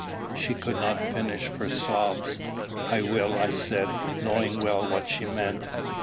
She could not finish for sobs. "I will," I said, knowing well what she meant.